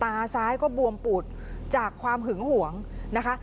ตาซ้ายก็บวมปูดจากความหึงหวงนะคะ